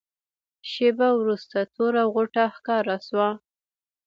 شېبه وروسته توره غوټه ښکاره شوه.